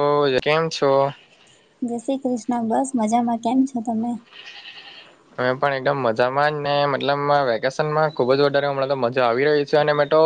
ઓ [unintelligible] કેમ છો? જય શ્રી કૃષ્ણ બસ મજામાં, કેમ છો તમે, અમેં પણ એકડમ મજામાં ને મતલબ વેકેશનમાં ખૂબ વઢારે હમણાં તો મજા આવી રહી છે અને મેં ટો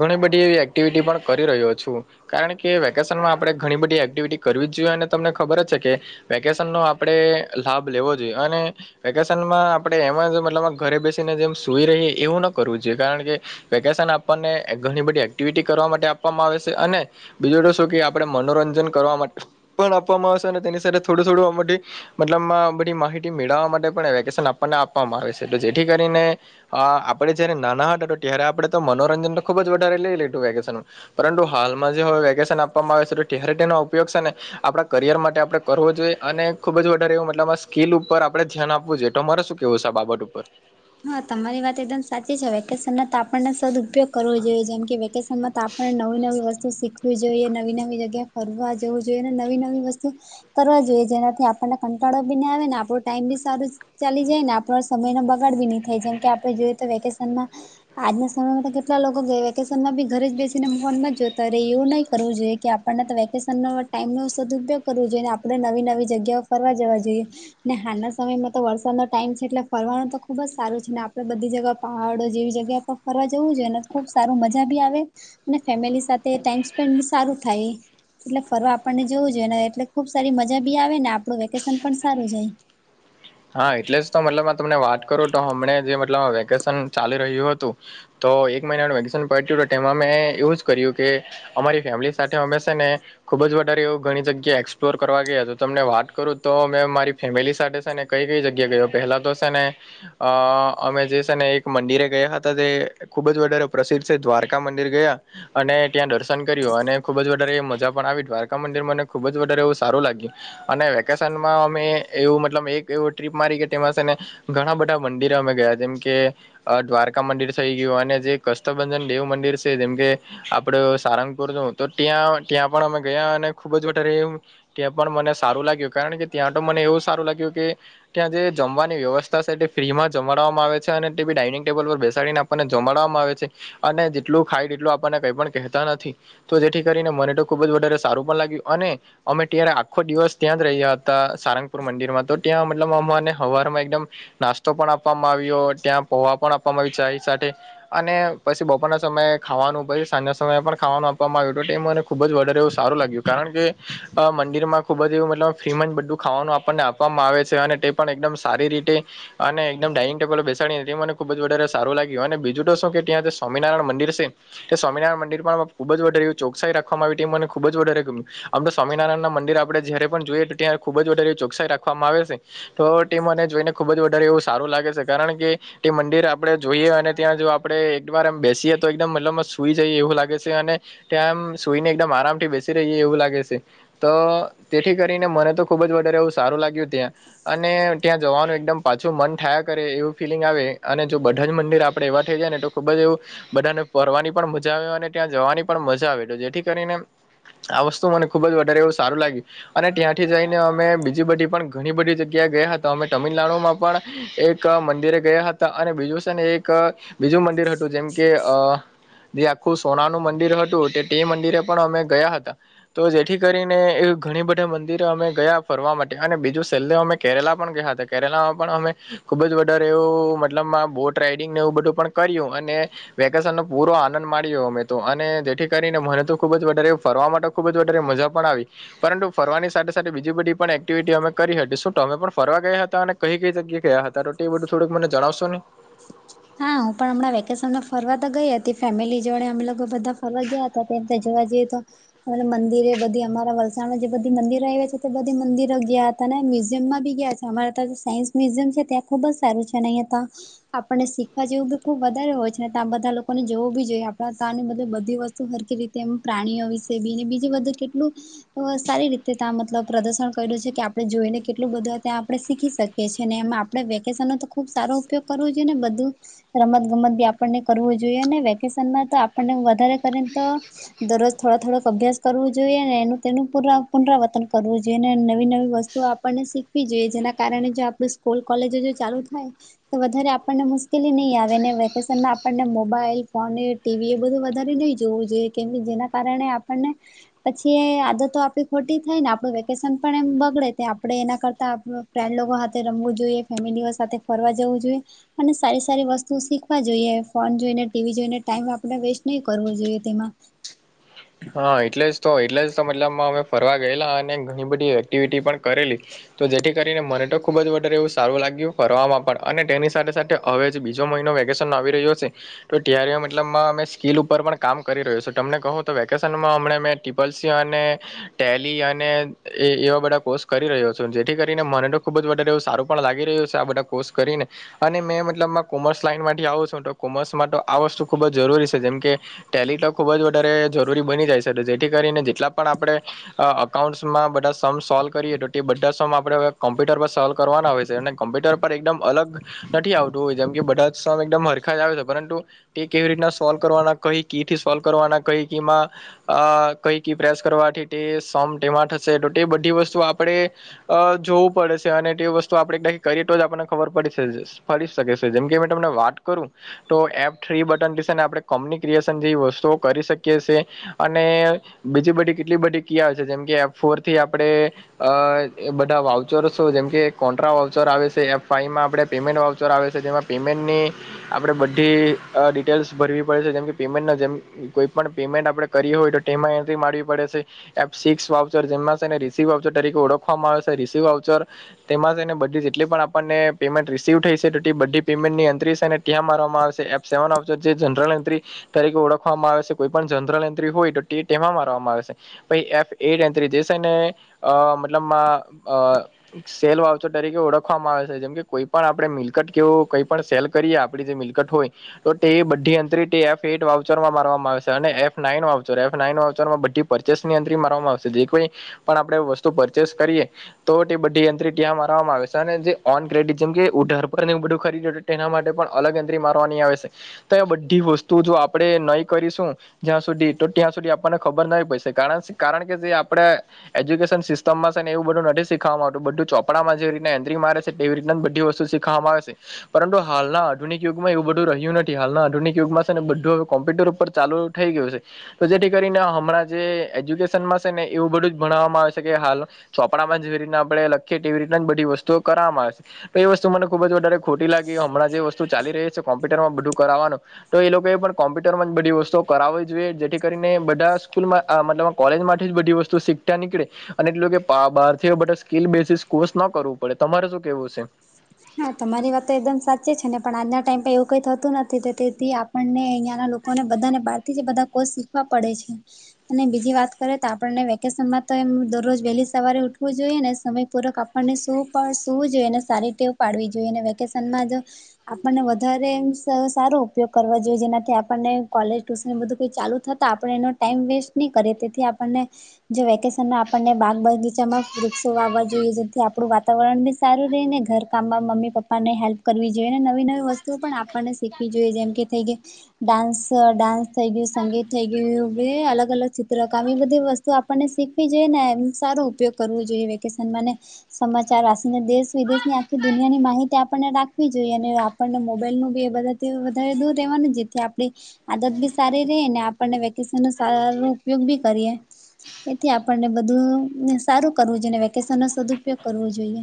ઘણી બધી એવી એક્ટિવિટી પણ કરી રહ્યો છું. કારણ કે વેકેશનમાં આપડે ઘણી બધી એક્ટિવિટી કરવી જ જોઈએ અને તમને ખબર જ છે કે વેકેશન નો આપડેે લાભ લેવો જોઈએ અને વેકેશનમાં આપડે એમાં જ મતલબમાં ઘરે બેસીને જેમ સુઈ રહીએ એવું ન કરવું જોઈએ કારણ કે વેકેશન આપણ ને એ ઘણી બધી એક્ટિવિટી કરવા માટે આપવામાં આવે છે અને બીજું તો શું કે આપડે મનોરંજન કરવા મટ પણ આપવામાં આવશે અને તેની સાથે થોડું થોડું આ મઢી મતલબમાં બધી માહિતી મેળવવા માટે પડે વેકેશન આપણને આપવામાં આવે છે તો જેઠી કરીને અ આપડે જ્યારે નાના હતા ત્યારે આપડે તો મનોરંજન ખુબ જ વધારે લઇ લીધૂ વેકેશનમા પરંતુ હાલમાં જે વેકેશન આપવામાં છે [unintelligible] તેનો ઉપયોગ શેને આપડા કરિયર માટે આપડે કરવો જોઈએ અને ખુબ જ વધારે એવ મતલબ સ્કિલ ઉપર આપડે ધ્યાન આપ વુ જોએ ટમારે શું કેવું છે આ બાબટ ઉપર હા તમારી વાત એકદમ સાચી છે વેકેશનમાં તાપણને સદ ઉપયોગ કરવો જોઈએ જેમ કે વેકેશનમાં તા પણ નવી નવી વસ્તુ શીખવી જોઈએ નવી નવી જગ્યા ફરવા જવું જોઈએ અને નવી નવી વસ્તુ કરવા જોઈએ જેનાથી આપણને કંટાળો બી ની આવે ને આપણો ટાઈમ બી સારો ચાલી જાય ને આપો સમય નો બગાડ બી નહી થાય જેમ કે આપડે જોઈ એ તો વેકેશનમાં આજના સમયમાં તો કેટલા લોકો ગે વેકેશનમાં બી ઘરે જ બેસીને ફોનમાં જ જોતા રેય એવું નહી કરવું જોઈએ કે આપ પણને વેકેશનનો ટાઈમનો સદઉપયોગ કરવો જોઈએ ને આપડે નવી નવી જગ્યાઓ ફરવા જવા જોઈએ ને હાલના સમયમાં તો વરસાદ નો ટાઈમ છે એટલે ફરવાનો તો ખુબ જ સારું છે આપડે બધી જગ્યા પહાડો જેવી જગ્યા પર ફરવા જવું જોઈએ ને ખુબ સારું મજાબી આવે અને ફેમિલી સાથે ટાઇમ સ્પેન્ડ સારું થાય એ એટલે ફરવા આપણને જોવું જોઈએ ને એટલે ખુબ સારી મજા બી આવે ને આપડું વેકેશન પણ સારું જાય હા એટલે જ તો મતલબ તમને વાટ કરું તો હમણે જે મતલબ વેકેશન ચાલી રહ્યું હતું તો એક મહિનાનું વેકેશન પટ્યું ટો ટેમાં મેં એવું જ કર્યું કે અમારી ફેમિલી સાથે અમે છે ને ખુબ જ વધારે એવું ઘણી જગ્યા એક્સપ્લોર કરવા ગયા તમને વાટ કરું તો મેં મારી ફેમિલી સાથે છે ને કઈ કઈ જગ્યા ગયો પહેલાં તો છે ને અ અમે જે છે ને એક મંદિરે ગયા હતા તે ખુબ જ વધારે પ્રસિદ્ધ છે દ્વારકા મંદિર ગયા અને ત્યાં દર્શન કર્યું અને ખુબ જ વધારે મજા પણ આવી દ્વારકા મંદિર મને ખુબ જ વધારે એવું સારું લાગ્યું અને વેકેશનમાં અમે એવું મતલબ એ એવું ટ્રીપ મારી કે તેમાં છે ને ઘણા બધા મંદિરો અમે ગયા જેમ કે અ દ્વારકા મંદિર થઈ ગયું અને જે કષ્ટબંજન દેવ મંદિર છે જેમ કે, આપડે સારંગપુર જો તો ટ્યા ટયા પણ અમે ગયા અને ખુબ જ અત્યારે ત્યાં પણ મને સારું લાગ્યું. કારણ કે ત્યાં તો મને એવું સારું લાગ્યું કે ત્યાં જે જમવાની વ્યવસ્થા છે તે ફ્રીમાં જમાડવામાં આવે છે અને તે ભી ડાઇનિંગ ટેબલ પર બેસાડીને આપ આપને જમાડવામાં આવે છે અને જેટલું ખાય એટલું આપણને કઈ પણ કહેતા નથી તો જેથી કરીને મને તો ખુબ જ વધારે સારું પણ લાગ્યું અને અમે ટયારે આખો દિવસ ત્યાં જ રહ્યા હતા સારંગપુર મંદિરમાં તો ત્યાં મતલબ અમાને હવારમાં એકદમ નાસ્તો પણ આપવામાં આવ્યો, ત્યાં પોવા આપવામાં આવ્યો ચાય સાથે અને પછી બપોરના સમયે ખાવાનું પાહિ સાંજના સમયે પણ ખાવાનું આપવામાં આવ્યું તો ત્યાં મને ખુબ જ વધારે એવું સારું લાગ્યું કારણ કે તા મંદિરમાં ખુબ જ એવું મતલબ ફ્રીમાં જ બધું ખાવાનું આપણને આપ વામાં આવે છે અને તે પણ એકદમ સારી રીતે અને એકદમ ડાઇગ ટેબલે બેસાડી હતી મને ખુબ જ વધારે સારું લાગ્યું, અને બીજું તો શું કે ત્યાં સ્વામિનારાયણ મંદિર છે તે સ્વામિનારાયણ મંદિર પણ ખુબ જ વધારે ચોકસાઈ રાખવામાં આવી તે મને ખુબ જ વધારે ગમ્યું. આમ તો સ્વામિનારાયણના મંદિર આપણે જ્યારે પણ જોઈએ તો ત્યારે ખૂબ જ વધારે ચોકસાઈ રાખવામાં આવે છે. તો તે મને જોઈને ખુબ જ વધારે એવું સારું લાગે છે, કારણ કે તે મંદિર આપડે જોઈએ અને ત્યાં જો આપણે એકવાર આમ બેસીએ તો એકદમ મતલબ મત સુઈ જઈએ એવું લાગે છે અને ત્યા આમ સુઈને એકદમ આરામથી બેસી રહીએ એવું લાગે છે. તો તેથી કરીને મને તો ખૂબ જ વધારે એવું સારું ત્યાં અને ત્યાં જવાનું એકદમ પાછું મન થયા કરે એવું ફિલિંગ આવે અને જો બધા જ મંદિર આપણે એવા થઈ જાય ને તો ખૂબ જ એ બધાને ફરવાની પણ મજા આવે અને ત્યાં જવાની પણ મજા આવે તો જેથી કરીને આ વસ્તુ મને ખૂબ જ વધારે એવું સારું લાગ્યું અને ત્યાંથી જઈને અમે બીજી બધી પણ ઘણી બધી જગ્યાએ ગયા હતા. અમે તમિલનાડુમાં પણ એક મંદિરે ગયા હતા અને બીજું છે ને એક બીજું મંદિર હતું જેમ કે અ જે આખું સોનાનું મંદિર હતું તે તે મંદિરે પણ અમે ગયા હતા. તો જેથી કરીને એ ઘણી બધા મંદિરો અમે ગયા ફરવા માટે, અને બીજું છેલ્લે અમે કેરાલા પણ ગયા હતા. કેરાલામાં પણ અમે ખુબ જ વધારે એવું મતલબમાં બોટ રાઈડિંગ ને એવું બધું પણ કર્યો અને વેકેશનનો પૂરો આનંદ માણ્યો અમે તો, અને જેથી કરીને મને તો ખુબ જ વધારે ફરવામાં તો ખૂબ જ વધારે મજા પણ આવી. પરંતુ, ફરવાની સાથે-સાથે બીજી બધી પણ એક્ટિવિટી અમે કરી હતી. શું તમે પણ ફરવા ગયા હતા અને કઈ કઈ જગ્યાએ ગયા હતા તો એ બધું થોડુંક મને જણાવશો ને? હા, હું પણ હમણાં વેકેશનમાં ફરવા તો ગઈ હતી ફેમિલી જોડે, અમે લોકો બધા ફરવા ગયા હતા તો ત્યાં કે જોવા જઈએ તો મંદિરે બધી અમારા વલસાડમાં જે બધી મંદિરો હોય છે, તે બધી મંદિરો ગયા અને મ્યુઝિયમમાં બી ગયા છે અમારે તો સાયન્સ મ્યુઝિયમ છે, ત્યાં ખુબ જ સારું છે અને અહીંયા તો આપણને સીખ સીખવા જેવું તો ખુબ વધારે હોય છેને ત્યાં લોકોને જોવું બી જોઈએ આપને તાની બધી વસ્તુ હરકી તેમ પ્રાણીઓ વિશે બીજું બધું કેટલું સારી રીતે ત્યાં મતલબ પ્રદર્શન કર્યું છે કે આપણે જોઈને કેટલું બધું ત્યાં આપણે શીખી શક એ છે ને એમાં આપણેે વેકેશનનો તો ખુબ સારો ઉપયોગ કરવો જોઈએ ને બધું રમત ગમત બી આપણને કરવું જોઈએ ને વેકેશનમાં તો આપણને વધારે કરીને તો દરરોજ થોડો થોડોક અભ્યાસ કરવો જોઈએ ને એનું તેનું પુન-પુનરાવતન કરવું જોઈએ ને નવી નવી વસ્તુ આપ આપને શીખવી જોઈએ જેના કારણે જો આપડુ સ્કૂલ કોલેજો ચાલુ થાય તો વધારે આપણને મુશ્કેલી નહીં આવે અને વેકેશનમાં આપણને મોબાઈલ, ફોન, ટીવી એ બધું વધારે નહીં જોવું જોઈએ, કેમ કે જેના કારણે આપણને પછી એ આદત તો આપણી થાય ને, આપણું વેકેશન પણ બગડે ત આપણે એના કરતા. ફન્ડ સાથે રમવું જોઈએ, ફેમિલી સાથે ફરવા જવું જોઈએ, અને સારી સારી વસ્તુ શીખવા જોઈએ, ફોન જોઈને ટીવી જોઈને, ટાઈમ આપણે વેસ્ટ નહી કરવો જોઈએ તેમાં. હા, એટલે જ તો એટલે જ તો મતલબમાં અમે ફરવા ગયેલા, અને ઘણી બધી એક્ટિવિટી પણ કરેલી. તો જેથી કરીને, મને તો ખુબ જ વારે એવું સારું લાગ્યું કરવામાં, પણ અને તેની સાથે-સાથે હવે જે બીજો મહિનો વેકેશન આવી રહ્યો છે. તો તયારીઓ મતલબમાં અમે સ્કીલ ઉપર પણ કામ કરી રહ્યો છેું, તમને કહો? તો વેકેશનમાં હમ્મ મેં ટ્રીપલસી અને ટેલી અને એ એવા બધા કોર્સ કરી રહ્યો છે, જેથી કરીને મને તો ખુબ જ વધારેવ સારું. પણ લાગી રહ્યું છે, આ બધા કોર્સ કરીને અને મેં મતલબ કોમર્સ લાઈન થી આવું છું, તો કોમર્સ માટે આ વસ્તુ ખુબ જ જરૂરી છે, જેમ કે ટેલી તો ખુબ જ વધારે જરૂરી બની જાય છે, તો જેથી કરીને જેટલા પણ આપણે અકાઉન્ટમાં બધા સમ સોલ્વ કરીએ, તો તે બધા સમ આપડે કોમ્પ્યુટર પર સોલ્વ કરવાના હોય છે, અને કમ્પ્યુટર એકદમ અલગ નથી આવતું હોય, જેમ કે બધા જમ હરખા જ આવે છે પરંતુ. તે કેવી રીતના સોલ્વ કરવાના કહી કે, થી સોલ્વ કરવાના કહી કેમાં. આ કઈ ક પ્રેસ કરવાથી તે સોમ તેમાં થશે, બધી વસ્તુ આપણે અ જોવું પડે છે, અને તે વસ્તુ આપડણે એક ડાકી કરીએ, તો જ આપણને ખબર પડી જશે. ફરી શકે છે, જેમ કે અમે તમને વાત કરું. તો એપ થ્રી બટન દશે, આપણે કોમ્યુનિક્રિએશન જેવી વસ્તુઓ કરી શકીએ. કે છે, અને બીજી બધી કેટલી બધી ક આવેય છે, જેમ કે ફોર થી આપણે અ એ બધા વાઉચરસો જેમકે કોન્ટ્રા વાઉચર આવે છે, એફઈમાં આપે પેમેન્ટ વાઉચર આવે છે, તેમાં પેમેન્ટની આપણે બધી ડિટેલ્સ ભરવી પડે છે, જેમ કે પેમેન્ટના જેમ કોઈ પણ પેમેન્ટ આપણે કરીએ હોય, તો ટેમાં એન્ટ્રી માડવી પડે છે. એ સિક્સ વાઉચર જે રસી વાચર તરીકે ઓળખવામાં આવે છે, વાઉચર તેમાંને બધી જેટલી પણ આપણને પેમેન્ટ રિસીવ થઈ, છેલી બધી પેમેન્ટની અંતરસ ત્યાં મારવામાં આવે છે, એ સેવન જે જનરલ એન્ટ્રી તરીકે ઓળખવામાં આવે છે. કોઈ પણ જનરલ એન્ટ્રી હોય તો, તે તેમાં મારવામાં આવે છે. પછ એફ એટ એ દશે ને, અ મતલબમાં અ સેલ વાવતોર તરીકે ઓળખવામાં આવે છે, જેમ કે કોઈ પણ આપડે મિલકટ કેવું કોઈ પણ સેલ કરી આપ મિલકત તો તે બધી અંતરી વાચરમાં મારવામાં આવે. અને એફ ના વા એફ નાન વામાં બધી પરચેસની અંતરી મારવામાં આવશે. પણ આપણેે વસ્તુ પરચેસ કરીએ. તો બધી યંત્રી ત્યાં મારવામાં આવે છે, અને જે ઓન ક્રેડિટ જેમ કેર પર બધું ખરી. તેના માટે પણ અલગ એંદરી મારવાની આવે છે, તો એ બધી વસ્તુ જો આપણે નહી કરીશું. જ્યાં સુધી તો ત્યાં સુધી આપણને ખબર ન પડશે, કારણ કારણ કે જે આપડ એજ્યુકેશન સિસ્ટમ માં છે, એવું બધું નથી સીખવા આવતું બધું ચોપડા માં જે ર એ મા એવી રીત બધી વસ્તુ શીખવામાં આવે છે. પરંતુ હાલના આધુનિક યુગમાં એવું બધું રહ્યું નથી, હાલના આધુનિક યુગમાં ને બધું હ કોમ્પ્યુટર ઉપર ચાલુ. થઈ ગઈ હ છે. તો જેથી કરીને હમણાં જે એજ્યુકેશનમાં છે ને, એવું બધું જ ભણાવવામાં આવે છે કે હાલ. ચોપડામાં જેવી રીત આપણે લખીએ તો, એવી રીત જ બધી વસ્તુઓ કરવામાં આવે છે. તો એ વસ્તુ મને ખુબ જ વધારે ખોટી લાગી, હમણાં જે વસ્તુ ચાલી રહી છે, કોમ્પ્યુટર માં બધું કરવાનું. તો એ લોકો એ પણ કોમ્પ્યુટરમાં જ બધી વસ્તુ કરાવો જોઈએ જેથી કરીને, બધા સ્કૂલમાં મતલબ કોલેજમાંથી જ બધી વસ્તુ શીખતા નીકળે. અને એટલું કે બહાર થી સ્કલ બેસીિસ કોર્સ ના કરવું પડે, તમારે શું કેવું છે? હ હા તમારી વાત તો એકદમ સાચી છે ને પણ આજના ટાઈમ પર એવું કઈ થતું નથી તેથી તે આપણને અહંયા ના લોકો ને બધાને બાર થી જ એ બધા કોસ શીખવા પડે છે અને બીજી વાત કરે તો આપણને વેકેશનમાં તો એમ દરરોજ વહેલી સવારે ઉઠવું જોઈએ ને સમય પૂર્ક અને શું પ શું જોઈ અને સારી ટેવ પાડવી જોઈએ વેકેશનમાં જો આપણને વધારે સ સારો ઉપયોગ કરવા જોઈએ જેનાથી આપણને કોલેજ ટ્યુશન બધું કઈ ચાલુ થ આપણે એનો ટાઈમ વેસ્ટ નહી કરીએ તેથી આપણને જો વેકેશનમાં આપણને બાગ બગીચામાં વૃક્ષો વાવવા જોઈએ જેથી આપણું વાતાવરણ બી સારું રહી ને ઘર કામ માં મમ્મી પપ્પાને હેલ્પ કરવી જોએ અને નવી નવી વસ્તુઓ પણ આપણને શીખવી જોઈએ જેમ કે થઈ કે ડાન્સ ડાન્સ થઇ ગયું સંગીત થઈ ગયું એ અલગ અલગ ચિત્રકામ બધી વસ્તુ આપણે શીખવી જોઈએ ને સારો ઉપયોગ કરવો જોઈએ વેકેશનમાં ને સમાચાર રાસીને દેશ વિદેશ ની આ કે દુનિયાની માહિતી આપણને રાખવી જોઈએ અને આપણને મોબાઈલનું બી એ બધા વધારે દૂર રહેવાનું જેથી આપણે આદત બી સારી રેય ને આપણને વેકેશન નો સારો ઉપયોગ બી કરીએ. એથી આપણને બધું ને સારું કરવું જોઈએ ને વેકેશન નો સદુપયોગ કરવો જોઈએ.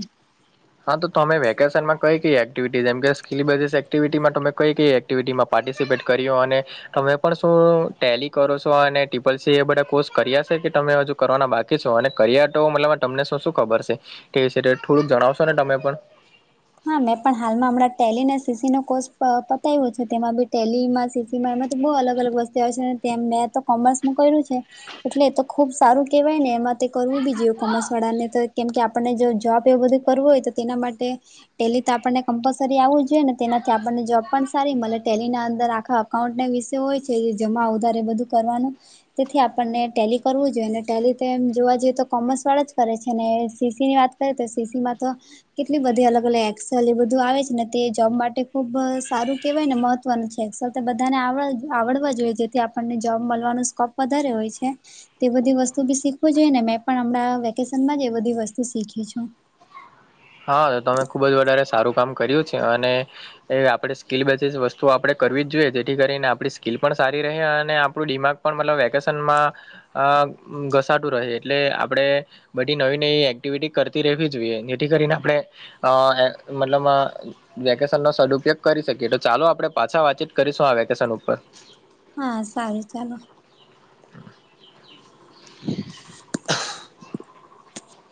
હા તો તમે વેકેશનમાં કઈ કઈ એક્ટિવિટી જેમ કે સ્કલીબસ એક્ટિવિટીમાં તમે કઈ કઈ એક્ટિવિટીમાં પાર્ટિસિપેટ કર્યો અને તમે પણ શું ટેલી કરો છો અને ટિપલ સી એ બધા કોર્સ કર્યા શે કે તમે હજુ કરવાના બાકી છો અને કરિયા તો મતલબ તમને શું શું ખબર છે કે તે વિશે થોડુંક જણાવશો ને તમે પણ. હા મેં પણ હાલમાં હમણાં ટેલી ને સીસી નો કોર્ષ પ પતાવ્યો છે તેમાં બી ટેલીમાં સીસી મા એમા તો બહુ અલગ અલગ વસ્તું આવે છે તેમ મેં તો કોમર્સમાં કર્યું છે. એટલે તો ખુબ સારું કેવાય ને એમાં તે કરવું બી જે કોમર્સવાળા ને તો કેમ કે આપ આપણે જો જોબ એ બધું કરવું હોય તો તેના માટે ટેલી તો આપણને કમ્પલસરી આવડવુ જોઈએ ને તેનાથી આપણને જોબ પણ સારી મલે ટેલી ના અંદર આખા અકાઉન્ટના વિસે હોય છે જમા ઉધારે બધું કરવાનું તેથી આપણને ટેલી કરવું જોઈએ ને ટેલી તો એમ જોવા જઈએ તો કોમર્સ વાળા જ કરે છે ને સીસી ની વાત સીસી માં તો કેટલી બધી અલગ એકસેલ એ બધું આવે છે ને તે જોબ માટે ખુબ સારું કેવાય ને મહત્વનું છે. એક્સેલ તો બધાને આવડ આવડવા જોઈએ જેથી આપણને જોબ મલવાનો સ્કોપ વધારે હોય છે. તે બધી વસ્તુ બી શીખવું જોઈએ ને મેં પણ હમણાં વેકેશનમાં જ એ બધી વસ્તુ શીખી છું. હા તો તમે ખુબ જ વધારે સારું કામ કર્યું છે અને એ આપણે સ્કીલ બેસીસ વસ્તુ આપણે કરવી જ જોઈએ જેથી કરીને આપણી સ્કીલ પણ સારી રહે અને આપણું ડિમાગ પણ મતલબ વેકેશનમાં અ ઘસાતું રહે એટલે આપણે બધી નવી નવી એક્ટિવિટી કરતી રહેવી જોઈએ જેથી કરીને આપણે અ એ મતલબમાં વેકેશનનો સદુપયોગ કરી શકીએ તો ચાલો આપણે પાછા વાતચીત કરીશું આ વેકેશન ઉપર હા સારું ચાલો.